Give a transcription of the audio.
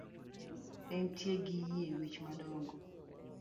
Entie gi yie wich madongo